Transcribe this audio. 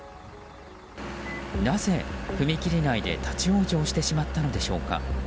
なぜ、踏切内で立ち往生してしまったのでしょうか。